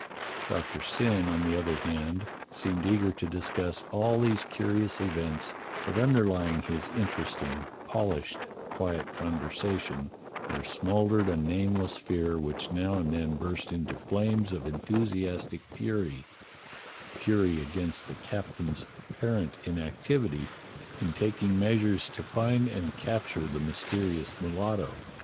Doctor Syn, on the other hand, seemed eager to discuss all these curious events, but underlying his interesting, polished, quiet conversation there smouldered a nameless fear which now and then burst into flames of enthusiastic fury — fury against the captain's apparent inactivity in taking measures to find and capture the mysterious mulatto.